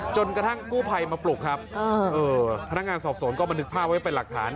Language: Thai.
จนกระทั่งกู้ภัยมาปลุกครับพนักงานสอบสวนก็บันทึกภาพไว้เป็นหลักฐาน